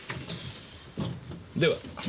では。